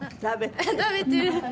食べてる。